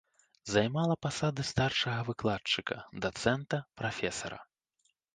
Займала пасады старшага выкладчыка, дацэнта, прафесара.